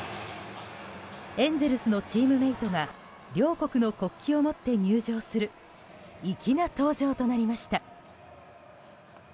エンゼルスのチームメートが両国の国旗を持って入場する粋な登場となりました。